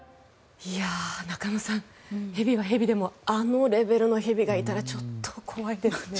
中野さん、蛇は蛇でもあのレベルの蛇がいたらちょっと怖いですね。